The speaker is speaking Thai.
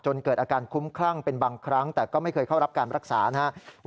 เกิดอาการคุ้มคลั่งเป็นบางครั้งแต่ก็ไม่เคยเข้ารับการรักษานะครับ